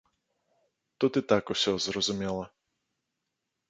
Тут і так усё зразумела.